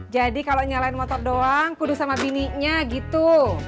jadi kalau nyalain motor doang kudu sama bininya gitu